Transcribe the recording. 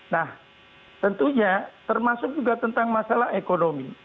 nah tentunya termasuk juga tentang masalah ekonomi